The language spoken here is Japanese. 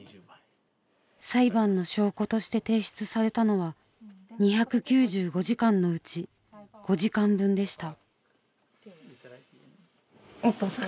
裁判の証拠として提出されたのは２９５時間のうち５時間分でした。